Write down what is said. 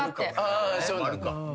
ああそうなんだ。